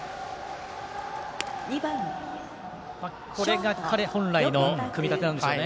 これが彼本来の組み立てなんでしょうね。